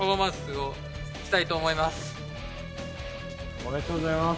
おめでとうございます。